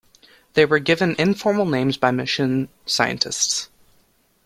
They were given informal names by mission scientists.